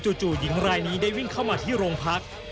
จู่หญิงรายนี้ได้วิ่งเข้ามาที่โรงพัก